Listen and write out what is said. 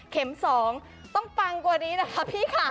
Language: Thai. ๒ต้องปังกว่านี้นะคะพี่ค่ะ